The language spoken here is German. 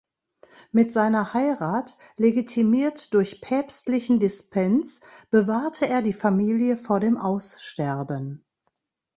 Mit seiner Heirat, legitimiert durch päpstlichen Dispens, bewahrte er die Familie vor dem Aussterben.